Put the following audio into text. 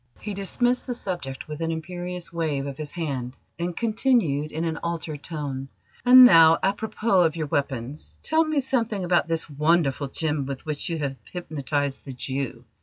He dismissed the subject with an imperious wave of his hand, and continued in an altered tone: "And now, àpropos of your weapons. Tell me something about this wonderful gem with which you hypnotised the Jew."